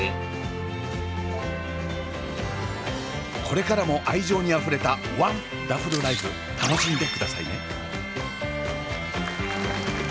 これからも愛情にあふれたワンダフルライフ楽しんでくださいね。